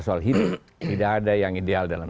soal hidup tidak ada yang ideal dalam